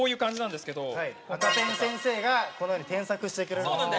赤ペン先生がこのように添削してくれるんですね。